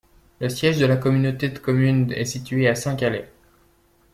Le siège de la communauté de communes est situé à Saint-Calais.